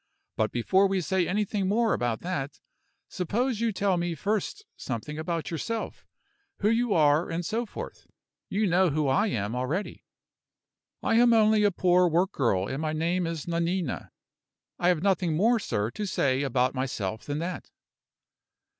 But before we say anything more about that, suppose you tell me first something about yourself who you are, and so forth. You know who I am already." "I am only a poor work girl, and my name is Nanina. I have nothing more, sir, to say about myself than that."